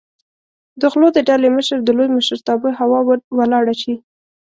د غلو د ډلې مشر د لوی مشرتابه هوا ور ولاړه شي.